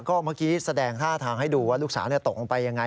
ก็เมื่อกี้แสดงท่าทางให้ดูว่าลูกสาวตกลงไปยังไง